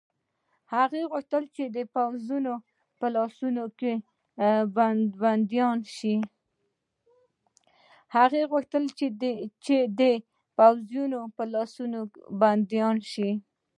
هغه غوښتل چې د پوځیانو په لاسونو کې بندیان شي.